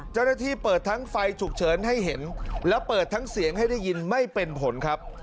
เจ้าหน้าที่เปิดทั้งไฟฉุกเฉินให้เห็นแล้วเปิดทั้งเสียงให้ได้ยินไม่เป็นผลครับ